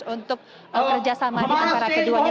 untuk kerjasama antara keduanya